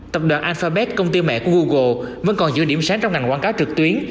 tập đoàn alphabet công ty mẹ của google vẫn còn giữ điểm sáng trong ngành quảng cáo trực tuyến